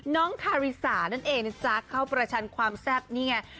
น้องคาริสานั่นเองนะจ๊ะเข้าประชันความแซ่บนี่ไง